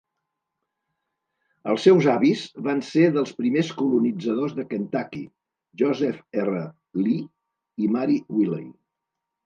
Els seus avis van ser dels primers colonitzadors de Kentucky, Joseph R. Lee i Mary Wiley.